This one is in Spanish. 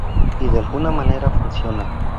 Y, de alguna manera, funciona.